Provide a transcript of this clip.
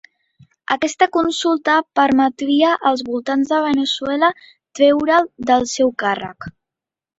Aquesta consulta permetria als votants de Veneçuela treure'l del seu càrrec.